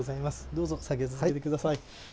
どうぞ作業を続けてください。